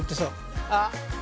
あっ！